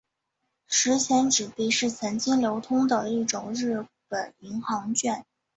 十钱纸币是曾经流通的一种日本银行券。